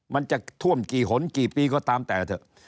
มันจะท่วมกี่หนกี่ปีก็ตามแต่เถอะ